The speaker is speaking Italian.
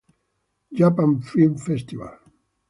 Japan Film Festival".